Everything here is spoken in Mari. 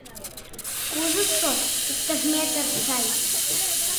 Кужытшо — иктаж метр чай.